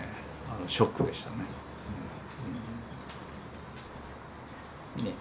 ショックでしたね。ね。